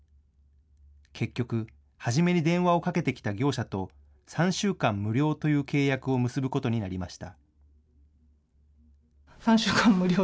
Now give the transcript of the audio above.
結局、初めに電話をかけてきた業者と３週間無料という契約を結ぶことになりました。